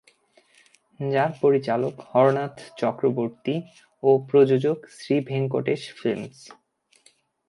যার পরিচালক হরনাথ চক্রবর্তী ও প্রযোজক শ্রী ভেঙ্কটেশ ফিল্মস।